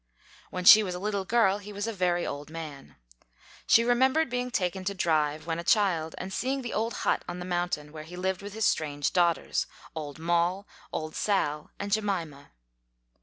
When she was a little girl, he was a very old man. She remembered being taken to drive, when a child, and seeing the old hut on the mountain, where he lived with his strange daughters, "Old Moll," "Old Sail, " and Jemima.